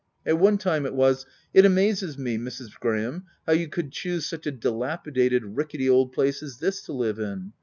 A.t one time it was —" It amazes me, Mrs. Graham, how you could choose such a dilapidated, ricketty old place as this to live in.